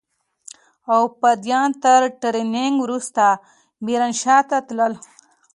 او يا فدايان تر ټرېننگ وروسته ميرانشاه ته راتلل.